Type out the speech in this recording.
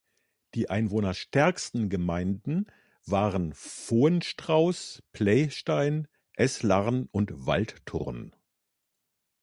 Die einwohnerstärksten Gemeinden waren Vohenstrauß, Pleystein, Eslarn und Waldthurn.